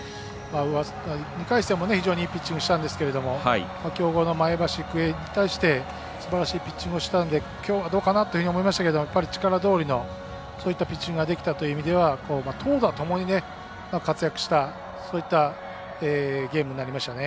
２回戦も非常にいいピッチングしたんですけども強豪の前橋育英に対してすばらしいピッチングをしたんできょうはどうかなって思いましたけれどもやっぱり力どおりのそういったピッチングができたという意味では投打ともに活躍したゲームになりましたね。